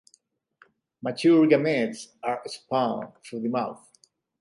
Mature gametes are spawned through the mouth.